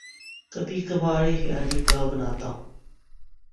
کبھی کبھار ہی خیالی پلاو بناتا ہوں